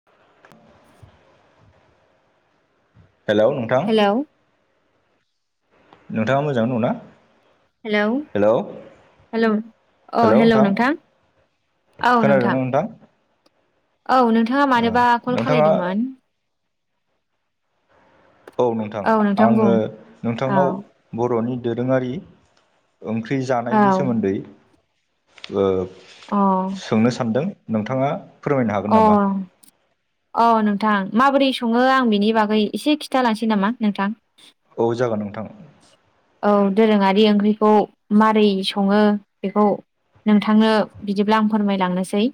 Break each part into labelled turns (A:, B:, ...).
A: [inaudible] हेल' नों
B: हेल'।
A: नोंथाङा मोजांयै दङ ना?
B: हेल'- हेल' अ हेल' नोंथां।
A: खोनादों ना नोंथां?
B: औ नोंथाङा मानोबा कल
A: नोंथां औ
B: खालायदोंमोन?
A: औ नोंथां आङो
B: औ
A: नोंथांनाव बर'नि दोरोङारि ओंख्रि
B: औ
A: जानायनि सोमोन्दै ओ
B: औ।
A: सोंनो सानदों नोंथाङा फोरमायनो हागोन
B: अ।
A: नामा
B: औ नोंथां माबोरै सङो आं बिनि बागै एसे खिन्थालांसै नामा नोंथां।
A: औ जागोन नोंथां।
B: औ दोरोङारि ओंख्रिखौ मारै सङो बेखौ नोंथांनो बिदिब्ला आं फोरमायलांनोसै।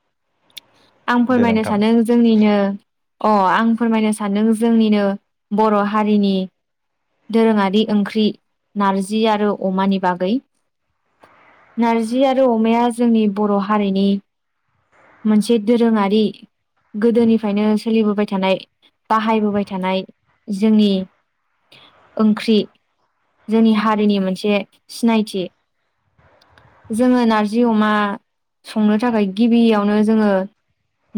A: [inaudible]
B: आं फोरमायनो
A: नोंथां
B: सानो जोंनिनो अ आं फोरमायनो सानदों जोंनिनो बर' हारिनि दोरोङारि ओंख्रि नारजि आरो अमानि बागै। नारजि आरो अमाया जोंनि बर' हारिनि मोनसे दोरोङारि गोदोनिफ्रायनो सोलिबोबाय थानाय बाहायबोबाय थानाय जोंनि ओंख्रि। जोंनि हारिनि मोनसे सिनायथि। जोङो नारजि अमा संनो थाखाय गिबियावनो जोङो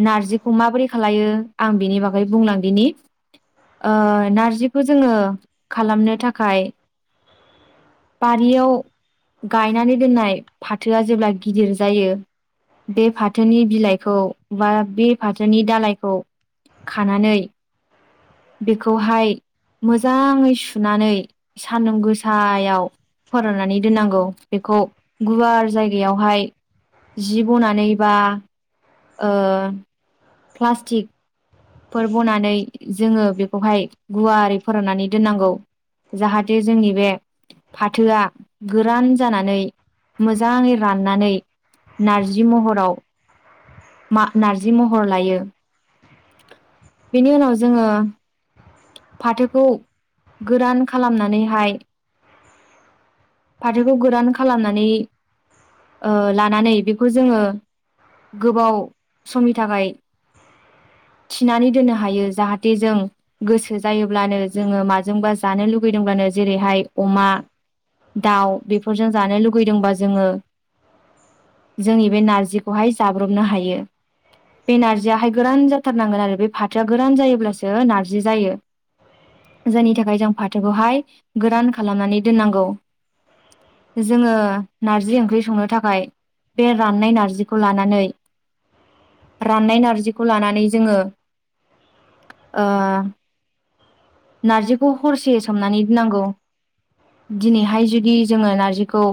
B: नारजिखौ माबोरै खालायो आं बिनि बागै बुंलांदिनि। ओ नारजिखौ जोङो खालामनो थाखाय बारियाव गायनानै दोननाय फाथोआ जेब्ला गिदिर जायो बे फाथोनि बिलाइखौ बा बे फाथोनि दालायखौ खानानै बेखौहाय मोजाङै सुनानै सान्दुं गोसायाव फोराननानै दोननांगौ बेखौ गुवार जायगायावहाय जि बनानैबा ओ प्लास्टिक फोर बनानै जोङो बेखौहाय गुवारै फोराननानै दोननांगौ। जाहाथे जोंनि बे फाथोआ गोरान जानानै मोजाङै राननानै नारजि महराव मा नारजि महर लायो बेनि उनाव जोङो फाथोखौ गोरान खालामनानैहाय फाथोखौ गोरान खालामनानै ओ लानानै बेखौ जोङो गोबाव समनि थाखाय थिनानै दोननो हायो जाहाथे जों गोसो जायोब्लानो जोङो माजोंबा जानो लुगैदोंब्लानो जेरैहाय अमा दाउ बेफोरजों जानो लुगैदोंबा जोङो जोंनि बे नारजिखौहाय जाब्रबनो हायो। बे नारजियाहाय गोरान जाथारनांगोन आरो बे फाथोआ गोरान जायोब्लासो नारजि जायो। जायनि थाखाय जों फाथोखौहाय गोरान खालामनानै दोननांगौ। जोङो नारजि ओंख्रि संनो थाखाय बे राननाय नारजिखौ लानानै राननाय नारजिखौ लानानै जोङो ओ नारजिखौ हरसे सोमनानै दोननांगौ दिनैहाय जुदि जोङो नारजिखौ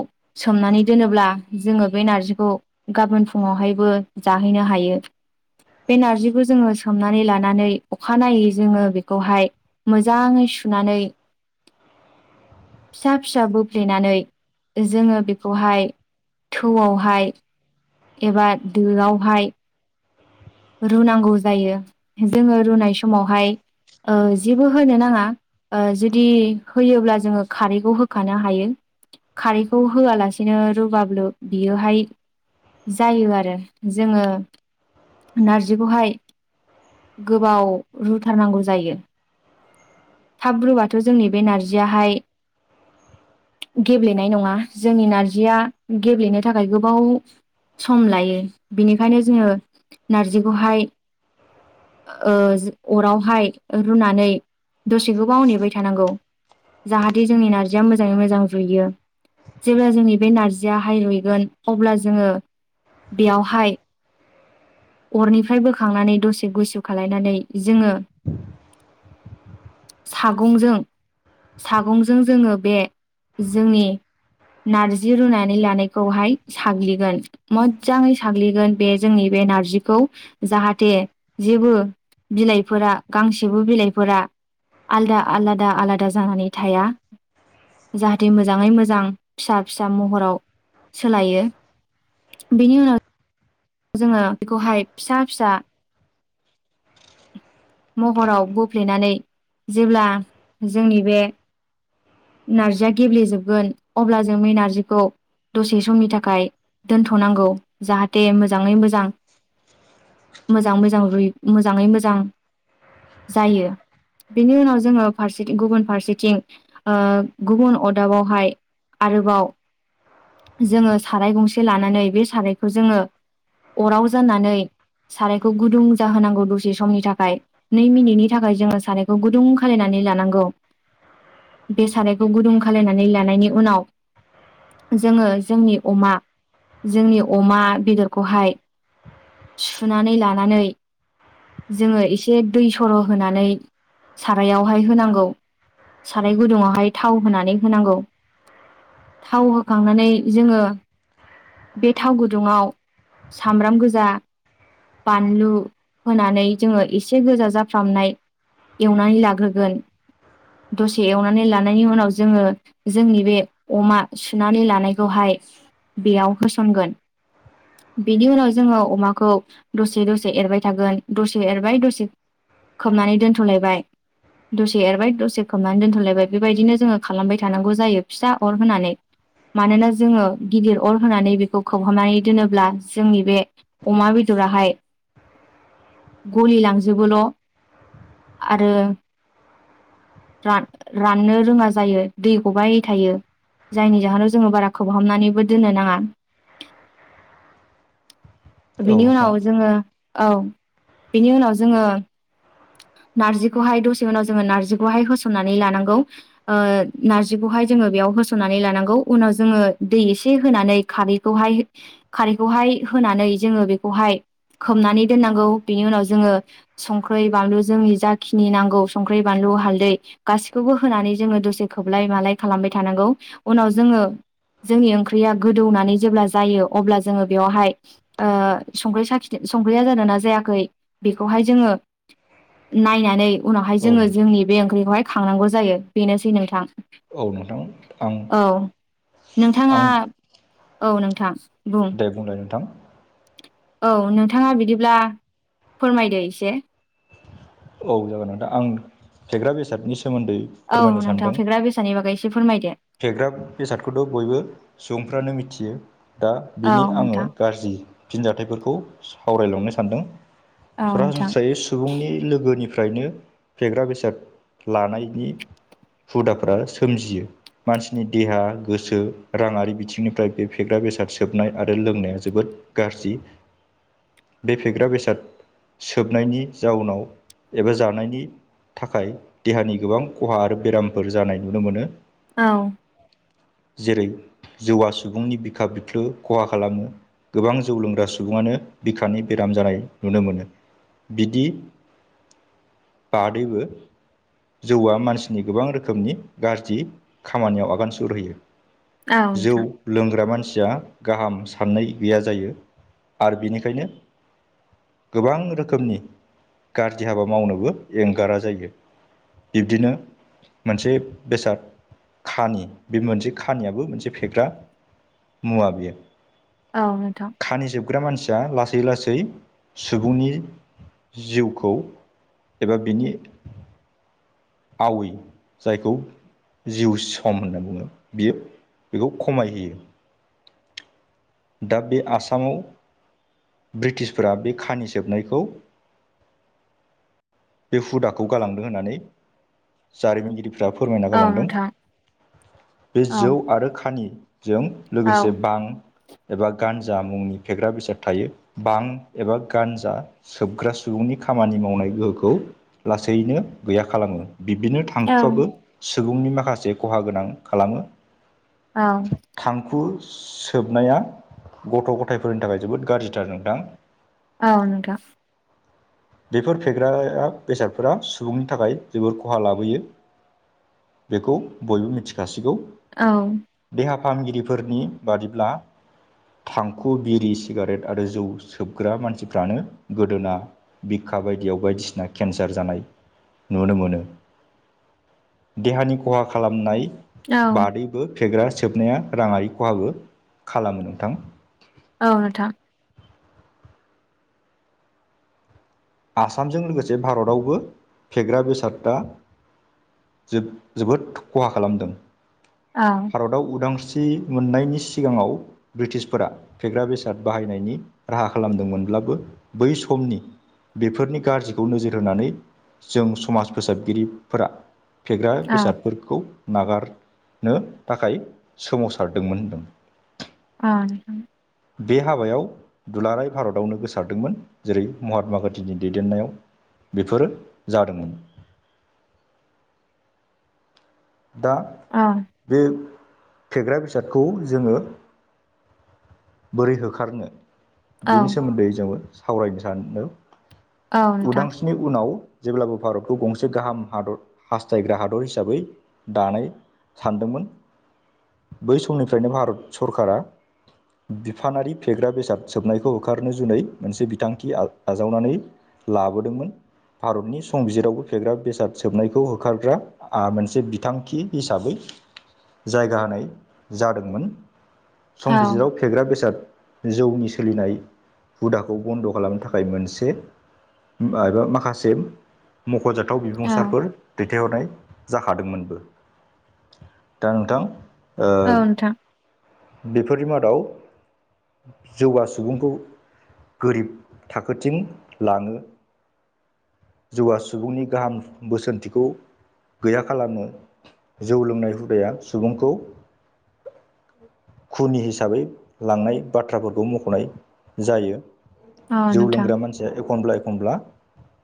B: सोमनानै दोनोब्ला जोङो बे नारजिखौ गाबोन फुङावहायबो जाहैनो हायो। बे नारजिखौ जोङो सोमनानै लानानै अखानायनायै जोङो बेखौहाय मोजाङै सुनानै
A: [inaudible]
B: फिसा फिसा बो फ्लेनानै जोङो बेखौहाय थौआव हाय एबा दोआव हाय रुनांगौ जायो जोङो रुनाय समावहाय ओ जेबो होनो नाङा। ओ जुदि होयोब्ला जोङो खारैखौ होखानो हायो। खारैखौ होआलासेनो रुब्लाबु बियोहाय जायो आरो जोङो नारजिखौहाय गोबाव रुथारनांगौ जायो। थाब रुबाथ' जोंनि बे नारजियाहाय गेब्लेनाय नङा जोंनि नारजिया गेब्लेनो थाखाय गोबाव सम लायो बिनिखायनो जोङो नारजिखौहाय ओ अरावहाय रुनानै दसे गोबाव नेबाय थानांगौ जाहाथे जोंनि नारजिया मोजाङै मोजां रुयो। जेब्ला जोंनि बे नारजियाहाय रुयगोन अब्ला जोङो बेयावहाय अरनिफ्राय बोखांनानै दसे गुसु खालायनानै जोङो। सागंजों सागंजों जोङो बे जोंनि नारजि रुनानै लानायखौहाय साग्लिगोन। मोजाङै साग्लिगोन बे जोंनि बे नारजिखौ जाहाथे जेबो बिलायफोरा गांसेबो बिलाइफोरा आलदा आलादा आलादा जानानै थाया। जाहाथे मोजाङै मोजां फिसा फिसा महराव सोलायो। बिनि उनाव जोङो बेखौहाय फिसा फिसा महराव बोफ्लेनानै जेब्ला जोंनि बे नारजिया गेब्लेे जोबगोन अब्ला जों बे नारजिखौ दसे समनि थाखाय दोनथ' नांगौ जाहाथे मोजाङै मोजां मोजां मोजां रुय मोजाङै मोजां जायो। बिनि उनाव जोङो फारसेथिं गुबुन फारसेथिं ओ गुबुन अदाबावहाय आरोबाव जोङो साराय गंसे लानानै बे सारायखौ जोङो अराव जानानै सारायखौ गुदुं जाहोनांगौ दसे समनि था खाय नै मिनिटनि थाखाय जोङो सारायखौ गुदुं खालायनानै लानांगौ। बे सारायखौ गुदुं खालायनानै लानायनि उनाव जोङो जोंनि अमा जोंनि अमा बेदरखौहाय सुनानै लानानै जोङो एसे दै सर' होनानै सारायावहाय होनांगौ। साराय गुदुङावहाय थाव होनानै होनांगौ। थाव होखांनानै जोङो बे थाव गुदुङाव सामब्राम गोजा बानलु होनानै जोङो एसे गोजा जाफ्रामनाय एवनानै लाग्रोगोन दसे एवनानै लानायनि उनाव जोङो। जोंनि बे अमा सुनानै लानायखौहाय बेयाव होसनगोन। बेनि उनाव जोङो अमाखौ दसे दसे एरबाय थागोन। दसे एरबाय दसे खोबनानै दोन्थ' लायबाय। दसे एरबाय दसे खोबनानै दोनथ' लायबाय बेबायदिनो जोङो खालामबाय थानांगौ जायो फिसा अर होनानै। मानोना जोङो गिदिर आर होनानै बेखौ खोबहाबनानै दोनोब्ला जोंनि बे अमा बेदराहाय गलि लांजोबोल' आरो रान-राननो रोङा जायो दै गबाय थायो। जायनि जाहोनाव जोङो बारा खोबहाबनानैबो दोननो नाङा।
A: औ
B: बेनि
A: नोंथां
B: उनाव जोङो। औ बेनि उनाव जोङो नारजिखौहाय दसे उनाव जोङो नारजिखौहाय होसननानै लानांगौ। ओ नारजिखौहाय जोङो बेयाव होसननानै लानांगौ। उनाव जोङो दै एसे होनानै खारैखौहाय खारैखौहाय होनानै जोङो बेखौहाय खोबनानै दोननांगौ बेनि उनाव जोङो। संख्रै, बानलु जोंनि जा खिनि नांगौ संख्रै, बानलु, हालदै गासैखौबो होनानै जोङो दसे खोबलाय मालाय खालामबाय थानांगौ उनाव जोङो जोंनि ओंख्रिया गोदौनानै जेब्ला जायो अब्ला जोङो बेवहाय ओ संख्रै साखिदो संख्रैया जादों ना जायाखै बेखौहाय जोङो नायनानै उनावहाय
A: औ
B: जोङो जोंनि बे ओंख्रिखौहाय खांनांगौ जायो बेनोसै नोंथां
A: औ नोंथां आं
B: औ नोंथाङा
A: आं
B: औ नोंथां बुं
A: दे बुंलाय नोंथां
B: औ नोंथाङा बिदिब्ला फोरमायदो एसे।
A: औ जागोन नोथां आं फेग्रा बेसादनि सोमोन्दै
B: औ
A: फोरमायनो
B: नोंथां
A: सानदों
B: फेग्रा बेसादनि बागै एसे फोरमायदो।
A: फेग्रा बेसादखौथ' बयबो सुबुंफ्रानो मिथियो दा
B: औ
A: बिनि आङो
B: नोंथां
A: गाज्रि फिनजाथाइफोरखौ सावरायलांनो सानदों
B: औ नोंथां
A: सरासनस्रायै सु सुबुंनि लोगोनिफ्रायनो फेग्रा बेसाद लानायनि हुदाफ्रा सोमजियो मानसिनि देहा गोसो राङारि बिथिंनिफ्राय बे फेग्रा बेसाद सोबनाय आरो लोंनाया जोबोद गाज्रि बे फेग्रा बेसाद सोबनायनि जाउनाव एबा जानायनि थाखाय देहानि गोबां खहा आरो बेरामफोर जानाय नुनो मोनो।
B: औ।
A: जेरै जौवा सुबुंनि बिखा बिख्लो खहा खालामो। गोबां जौ लोंग्रा सुबुङानो बिखानि बेराम जानाय नुनो मोनो बिदि। बादैबो जौआ मानसिनि गोबां रोखोमनि गाज्रि खामानियाव आगान सुरहैयो।
B: औ
A: जौ
B: नोंथां
A: लोंग्रा मानसिया गाहाम साननाय गैया जायो आरो बिनिखायनो गोबां रोखोमनि गाज्रि हाबा मावनोबो एंगारा जायो बिब्दिनो मोनसे बेसाद खानि बे मोनसे खानियाबो मोनसे फेग्रा मुवा बेयो
B: औ नोंथां।
A: खानि जोबग्रा मानसिया लासै-लासै सुबुंनि जिउ खौ एबा बिनि आवै जायखौ जिउ सम होनना बुङो बियो बेखौ खमायहोयो दा बे आसामाव ब्रिटिशफोरा बे खानि सोबनायखौ बे हुदाखौ गालांदों होननानै जारिमिनगिरि फ्रा फोरमायना
B: औ
A: गालांदों
B: नोंथां
A: बे
B: औ
A: जौ आरो खानि जों
B: औ
A: लोगोसे बां एबा गानजा मुंनि फेग्रा बेसाद थायो बां एबा गानजा सोबग्रा सुबुंनि खामानि मावनाय गोहोखौ खौ लासैनो गैया खालामो बिब्दिनो
B: औ
A: थांखुआबो सुबुंनि माखासे खहा गोनां खालामो
B: औ।
A: थांखु सोबनाया गथ' गथायफोरनि थाखाय जोबोद गाज्रिथार नोंथां।
B: औ नोंथां।
A: बेफोर फेग्राया बेसादफोरा सुबुंनि थाखाय जोबोर खहा लाबोयो। बेखौ बयबो मिथिखासिगौ।
B: औ।
A: देहा फाहामगिरिफोरनि बादिब्ला। थांखु बिरि सिगारेट आरो जौ सोबग्रा मानसिफ्रानो गोदोना। बिखा बायदियाव बायदिसिना केन्सार जानाय नुनो मोनो। देहानि खहा खालामनाय।
B: औ
A: बादैबो फेग्रा सोबनाया राङारि खहाबो खालामो नोंथां।
B: औ नोंथां।
A: आसामजों लोगोसे भारतावबो फेग्रा बेसादा। जोब जोबोद खहा खालामदों
B: ओं
A: भारताव उदांस्रि मोननायनि सिगाङाव ब्रिटिशफोरा फेग्रा बेसाद बाहायनायनि राहा खालामदोंमोनब्लाबो बै समनि बेफोरनि गाज्रिखौ नोजोर होनानै जों समाज फोसाबगिरिफोरा फेग्रा
B: औ
A: बेसादफोरखौ नागारनो थाखाय सोमावसारदोंमोन होनदों
B: आह
A: बे हाबायाव दुलाराय भारतावनो गोसारदोंमोन जेरै महात्मा गान्धीनि दैदेननायाव बेफोरो जादोंमोन दा
B: आह
A: बे फेग्रा बेसादखौ जोङो बोरै होखारनो
B: औ
A: बेनि सोमोन्दै जोङो सावरायनो सानदों
B: औ नोंथां
A: उदांस्रि उनाव भारतखौ गंसे गाहाम हादर हास्थायग्रा हादर हिसाबै दानाय सानदोंमोन बै समनिफ्रायनो भारत सरकारा बिफानारि फेग्रा बेसाद सोबनायखौ होखारनो जुनै मोनसे बिथांखि आजा आजावनानै लाबोदोंमोन भारतनि संबिजिरावबो फेग्रा बेसाद सोबनायखौ होखारग्रा आ मोनसे बिथांखि हिसाबै जायगा होनाय जादोंमोन
B: औ
A: संबिजतआव फेग्रा बेसाद जौनि सोलिनाय हुदाखौ बन्द' खालामनो थाखाय मोनसे एबा माखासे मख'जाथाव
B: औ
A: बिबुंसारफोर दैथायहरनाय जाखादोंमोनबो दा नोंथां
B: औ नोंथां
A: ओ बेफोरनि मादाव जौगा सुबुंखौ गोरिब थाखोथिं लाङो जौवआ सुबुंनि गाहाम बोसोनथिखौ गैया खालामो जौ लोंनाय हुदाया सुबुंखौ खुनि हिसाबै लांनाय बाथ्राफोरखौ मख'नाय जायो
B: औ
A: जौ
B: नोंथां
A: लोंग्रा मानसिया एखनब्ला एखनब्ला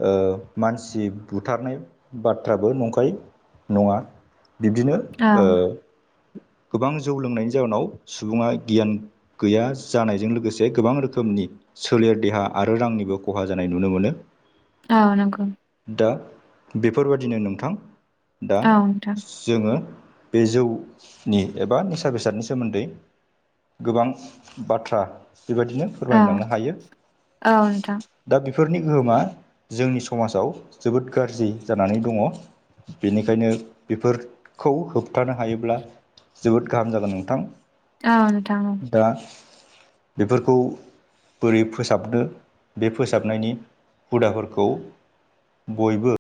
A: ओ मानसि बुथारनाय बाथ्राबो नंखाय नङा बिब्दिनो
B: औ
A: ओ गोबां जौ लोंनायनि जााहोनाव सुबुङा गियान गैया जानायजों लोगोसे गोबां रोखोमनि सोलेर देहा आरो रांनिबो खहा जानाय नुनो मोनो
B: औ नंगौ
A: दा बेफोरबादिनो नोंथां दा
B: औ नोंथां
A: जोङो बे जौनि एबा निसा बेसादनि सोमोन्दै गोबां बाथ्रा बेबायदिनो
B: औ
A: फोरमायलांनो हायो।
B: औ नोंथां
A: दा बेफोरनि गोहोमा जोंनि समाजाव जोबोद गाज्रि जानानै दङ। बेनिखायनो बेफोरखौ होबथानो हायोब्ला जोबोद गाहाम जागोन नोंथां।
B: औ नोंथां औ
A: दा बेफोरखौ बोरै फोसाबनो बे फोसाबनायनि हुदाफोरखौ बयबो